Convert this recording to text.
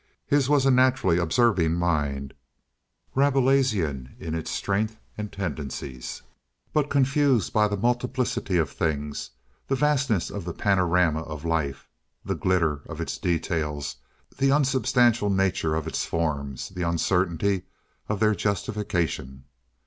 His was a naturally observing mind, Rabelaisian in its strength and tendencies, but confused by the multiplicity of things, the vastness of the panorama of life, the glitter of its details, the unsubstantial nature of its forms, the uncertainty of their justification.